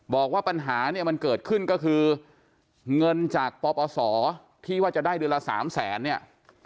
บอกว่าปัญหาเนี่ยมันเกิดขึ้นก็คือเงินจากปปศที่ว่าจะได้เดือนละ๓แสนเนี่ย